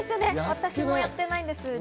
私もやってないんです。